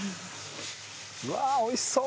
わあ美味しそう。